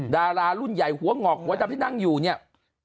ดารารุ่นใหญ่หัวหงอกหัวดำที่นั่งอยู่เนี่ย